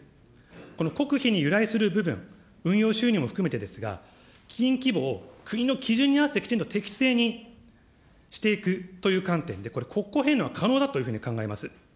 この国費に由来する部分、運用収入も含めてですが、基金規模を国の基準に合わせてきちんと適正にしていくという観点で、これ、国庫返納が可能だというふうに考えます。